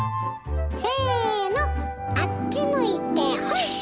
せのあっち向いてホイ！